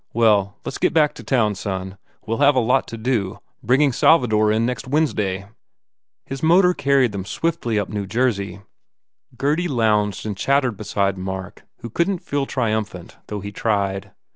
Well, let s get back to town, son. We ll have a lot to do, bringing Salvador in next Wednesday." His motor carried them swiftly up New Jersey. 288 TH E WALLING Gurdy lounged and chattered beside Mark who couldn t feel triumphant though he tried.